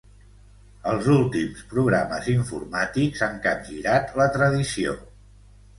Els últims programes informàtics han capgirat la tradició.